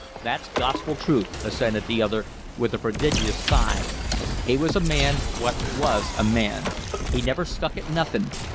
"That's gospel truth," assented the other, with a prodigious sigh. "He was a man what was a man. He never stuck at nothing.